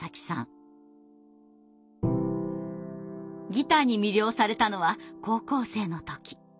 ギターに魅了されたのは高校生の時。